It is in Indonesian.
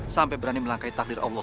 sampai berani melangkai takdir allah